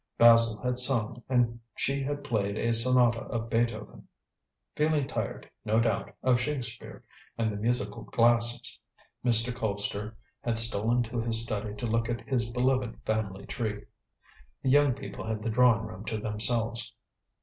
Basil had sung, and she had played a sonata of Beethoven. Feeling tired, no doubt, of Shakespeare and the musical glasses, Mr. Colpster had stolen to his study to look at his beloved family tree. The young people had the drawing room to themselves.